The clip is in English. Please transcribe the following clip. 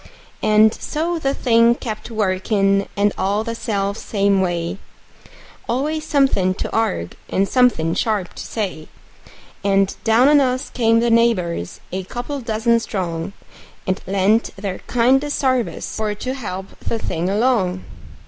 And so the thing kept workin', and all the self same way; Always somethin' to arg'e, and somethin' sharp to say; And down on us came the neighbors, a couple dozen strong, And lent their kindest sarvice for to help the thing along.